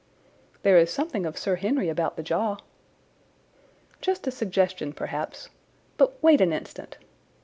"There is something of Sir Henry about the jaw." "Just a suggestion, perhaps. But wait an instant!"